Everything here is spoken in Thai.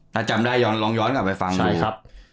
ถ้าจำได้ลองย้อนกลับไปฟังดู